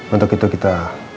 untuk itu kita